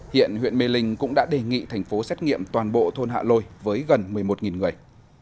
hiện huyện mê linh cũng đã đề nghị thành phố xét nghiệm toàn bộ thôn hạ lôi với gần một mươi một người